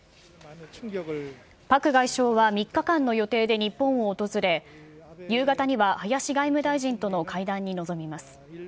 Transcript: パク外相は３日間の予定で日本を訪れ、夕方には林外務大臣との会談に臨みます。